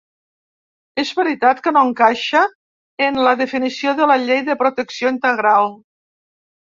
És veritat que no encaixa en la definició de la llei de protecció integral.